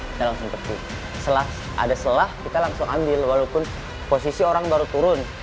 kita langsung pergi setelah ada setelah kita langsung ambil walaupun posisi orang baru turun